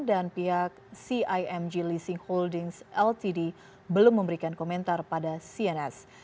dan pihak cimg leasing holdings ltd belum memberikan komentar pada cns